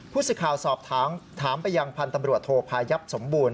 สิทธิ์ข่าวสอบถามไปยังพันธ์ตำรวจโทพายับสมบูรณ